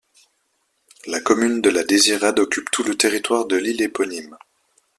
La commune de La Désirade occupe tout le territoire de l'île éponyme.